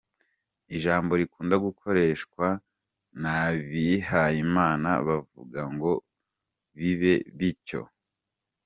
ijambo rikunda gukoreshwa nabihayimana bavuga ngo « Bibe bityo ».